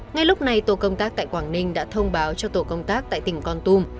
ngay lúc này tổ công tác tại quảng ninh đã thông báo cho tổ công tác tại tỉnh con tum